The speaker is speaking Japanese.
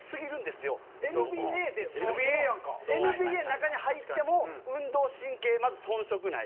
ＮＢＡの中に入っても運動神経まず遜色ない。